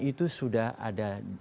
itu sudah ada